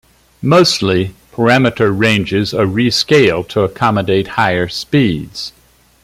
Mostly, parameter ranges are rescaled to accommodate higher speeds.